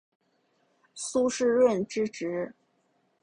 苏士润之侄。